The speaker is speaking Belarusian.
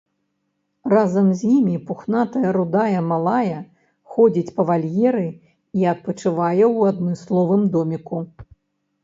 Разам з імі пухнатая рудая малая ходзіць па вальеры і адпачывае ў адмысловым доміку.